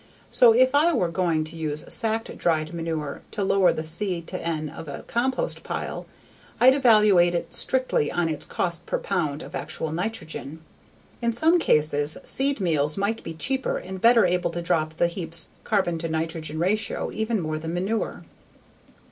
So if I were going to use sacked dried manure to lower the C/N of a compost pile, I'd evaluate it strictly on its cost per pound of actual nitrogen. In some cases, seed meals might be cheaper and better able to drop the heap's carbon to nitrogen ratio even more than manure.